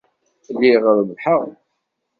Lliɣ rebbḥeɣ.